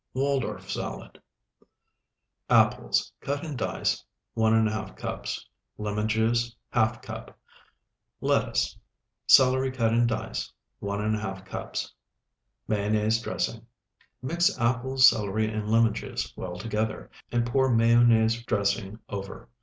WALDORF SALAD Apples, cut in dice, 1½ cups. Lemon juice, ½ cup. Lettuce. Celery, cut in dice, 1½ cups. Mayonnaise dressing. Mix apples, celery, and lemon juice well together, and pour mayonnaise dressing over.